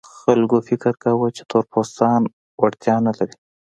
خلک فکر کاوه چې تور پوستان وړتیا نه لري.